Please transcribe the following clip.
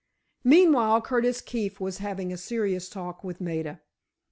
Meantime Curtis Keefe was having a serious talk with Maida.